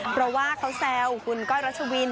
เพราะว่าเขาแซวคุณก้อยรัชวิน